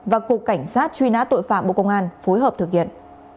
và cục cảnh sát truy nã tội phạm bộ công an phối hợp thực hiện